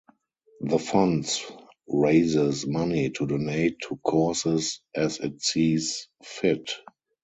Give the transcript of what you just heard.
The Fonds raises money to donate to causes "as it sees fit".